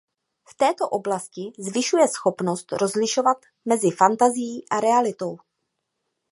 V této oblasti zvyšuje schopnost rozlišovat mezi fantazií a realitou.